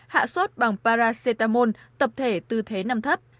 hạ sốt bằng paracetamol tập thể tư thế năm thấp